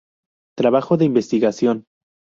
Trabajo de Investigación.